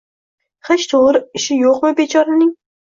Hech to'g'ri ishi yo'qmi bechoraning?